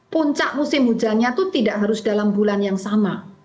puncak musim hujannya itu tidak harus dalam bulan yang sama